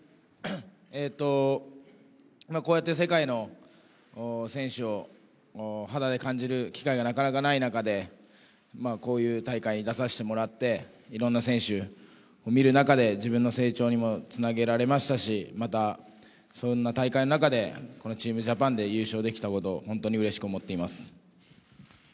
こうやって世界の選手を肌で感じる機会がなかなかない中でこういう大会に出させてもらって、いろんな選手を見る中で自分の成長にもつなげられましたしまたそんな大会の中でこのチームジャパンで優勝できたこと本当にうれしく思っています。